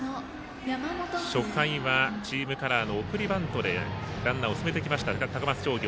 初回はチームカラーの送りバントでランナーを進めてきました高松商業。